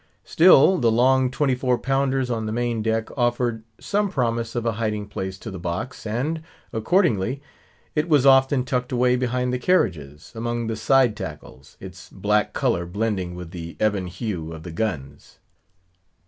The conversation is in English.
Still, the long twenty four pounders on the main deck offered some promise of a hiding place to the box; and, accordingly, it was often tucked away behind the carriages, among the side tackles; its black colour blending with the ebon hue of the guns.